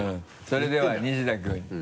それでは西田君。